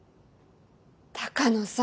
鷹野さん